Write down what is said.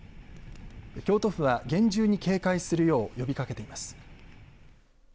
京都府は、厳重に警戒するよう呼びかけています。